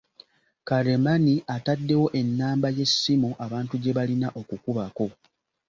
Karemani ataddewo n'ennamba y'essimu abantu gye balina okukubako.